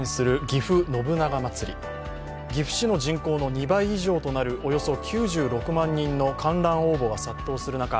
岐阜市の人口の２倍以上となるおよそ９６万人の観覧応募が殺到する中